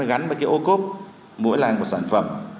gắn với cái ô cốt mỗi làng của sản phẩm